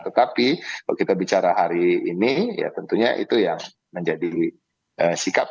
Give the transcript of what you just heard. tetapi kalau kita bicara hari ini ya tentunya itu yang menjadi sikap